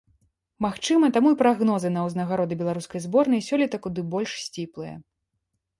Магчыма, таму і прагнозы на ўзнагароды беларускай зборнай сёлета куды больш сціплыя.